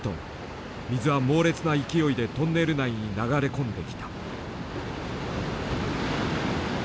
水は猛烈な勢いでトンネル内に流れ込んできた。